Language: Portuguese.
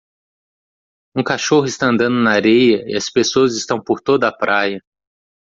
Um cachorro está andando na areia e as pessoas estão por toda a praia